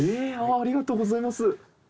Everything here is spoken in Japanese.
ありがとうございます。